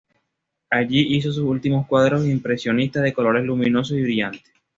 Allí hizo sus últimos cuadros impresionistas de colores luminosos y brillantes.